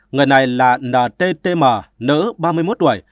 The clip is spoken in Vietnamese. người này là nttm nữ ba mươi một tuổi